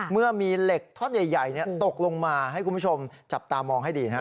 เมื่อมีเหล็กท่อนใหญ่ตกลงมาให้คุณผู้ชมจับตามองให้ดีนะฮะ